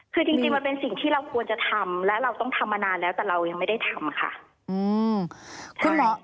คือจริงมันเป็นสิ่งที่เราควรจะทำและเราต้องทำมานานแล้วแต่เรายังไม่ได้ทำค่ะ